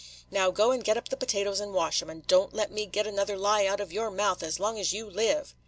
Now go and get up the potatoes and wash 'em, and don t let me get another lie out of your mouth as long as you live."